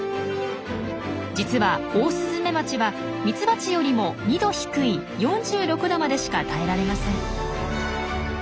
実はオオスズメバチはミツバチよりも２℃低い４６℃までしか耐えられません。